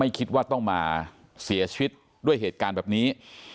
คิดว่าต้องมาเสียชีวิตด้วยเหตุการณ์แบบนี้